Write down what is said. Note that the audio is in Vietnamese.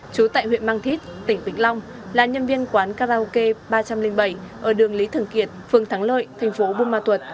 chú tại huyện mang thít tỉnh vĩnh long là nhân viên quán karaoke ba trăm linh bảy ở đường lý thường kiệt phường thắng lợi thành phố buôn ma thuật